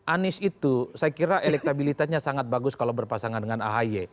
anies itu saya kira elektabilitasnya sangat bagus kalau berpasangan dengan ahy